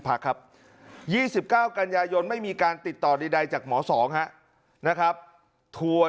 พักครับยี่สิบเก้ากันยายนไม่มีการติดต่อใดจากหมอสองนะครับหัวใน